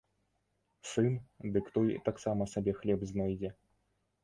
Сын, дык той таксама сабе хлеб знойдзе.